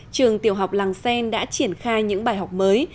trường tiểu học làng xen đã triển khai những bài học mới